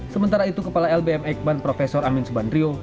sementara itu kepala lbm ekban prof amin subandriu